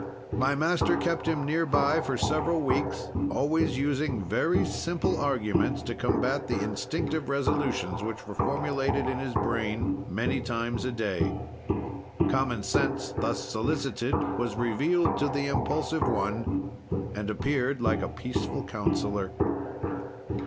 My master kept him near by for several weeks, always using very simple arguments to combat the instinctive resolutions which were formulated in his brain many times a day. "Common sense, thus solicited, was revealed to the impulsive one, and appeared like a peaceful counselor.